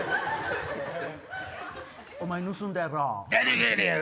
お前盗んだやろ？